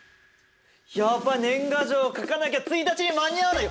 やっばい年賀状書かなきゃ１日に間に合わないよ！